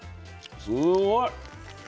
すごい。